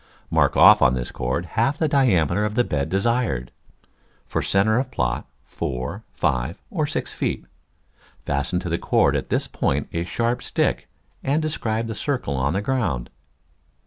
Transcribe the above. Mark off on this cord half the diameter of the bed desired, for centre of plot, four, five or six feet — fasten to the cord at this point a sharp stick and describe the circle on the' ground.